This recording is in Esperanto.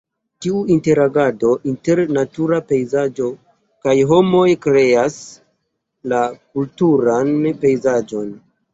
Tiu interagado inter natura pejzaĝo kaj homoj kreas la kulturan pejzaĝon.